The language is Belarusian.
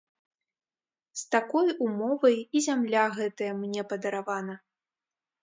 З такой умовай і зямля гэтая мне падаравана.